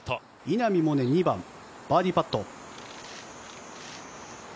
稲見萌寧、２番バーディーパット。